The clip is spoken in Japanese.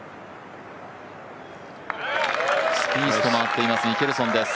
スピースと回っているミケルソンです。